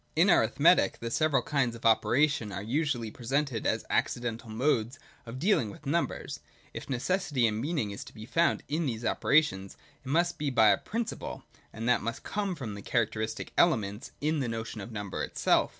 In arithmetic the several kinds of operation are usually presented as accidental modes of dealing with numbers. If necessity and meaning is to be found in these operations, it must be by a principle : and that must come from the characteristic elements in the notion of number itself.